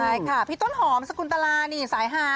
ใช่ค่ะพี่ต้นหอมสกุลตลานี่สายฮา